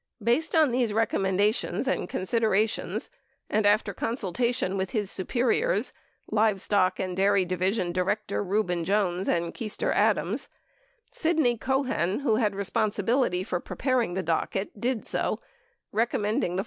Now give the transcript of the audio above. Based on these recommendations and considerations, and after con sultation with his superiors, Livestock and Dairy Division Director Reuben Jones and Keister Adams, Sidney Cohen, who had responsi bility for preparing the docket, did so, recommending the $4.